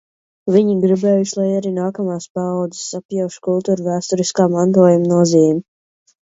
Viņi gribējuši, lai arī nākamās paaudzes apjauš kultūrvēsturiskā mantojuma nozīmi.